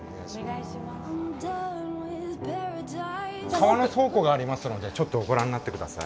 革の倉庫がありますのでちょっとご覧になって下さい。